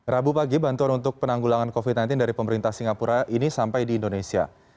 rabu pagi bantuan untuk penanggulangan covid sembilan belas dari pemerintah singapura ini sampai di indonesia